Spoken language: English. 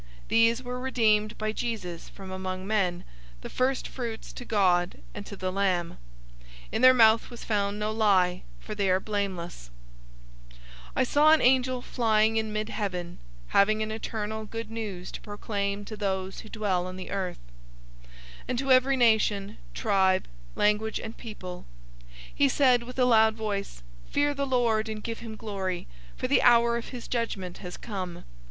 These were redeemed by Jesus from among men, the first fruits to God and to the Lamb. 014:005 In their mouth was found no lie, for they are blameless.{TR adds "before the throne of God"} 014:006 I saw an angel flying in mid heaven, having an eternal Good News to proclaim to those who dwell on the earth, and to every nation, tribe, language, and people. 014:007 He said with a loud voice, "Fear the Lord, and give him glory; for the hour of his judgment has come.